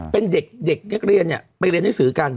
เป็นเด็กนักเรียนไปเรียนหนังสือกัน